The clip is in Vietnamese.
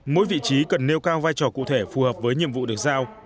mỗi vị trí cần nêu cao vai trò cụ thể phù hợp với nhiệm vụ được giao